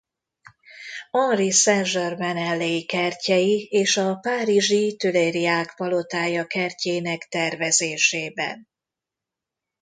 Henrik Saint-Germain-en-Laye-i kertjei és a párizsi Tuileriák palotája kertjének tervezésében.